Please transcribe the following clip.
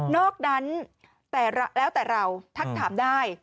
อกนั้นแต่แล้วแต่เราทักถามได้